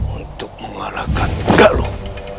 untuk mengalahkan galuh